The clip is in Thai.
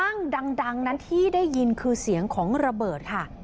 ปั้งนั่นปั้งดังนั้นที่ได้ยินคือเสียงของระเบิดค่ะ